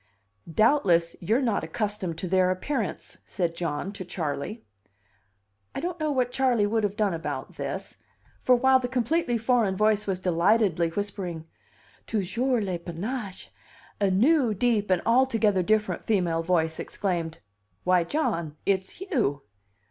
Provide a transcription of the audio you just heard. "Doubtless you're not accustomed to their appearance," said John to Charley. I don't know what Charley would have done about this; for while the completely foreign voice was delightedly whispering, "Toujours le panache!" a new, deep, and altogether different female voice exclaimed: "Why, John, it's you!"